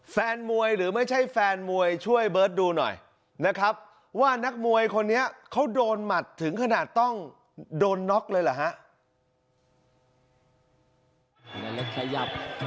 แฟนมวยหรือไม่ใช่แฟนมวยช่วยเบิร์ตดูหน่อยนะครับว่านักมวยคนนี้เขาโดนหมัดถึงขนาดต้องโดนน็อกเลยเหรอฮะ